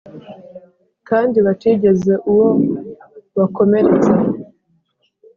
kandi batagize uwo bakomeretsa.